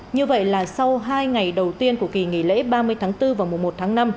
như vậy là sau hai ngày đầu tiên của kỳ nghỉ lễ ba mươi tháng bốn và mùa một tháng năm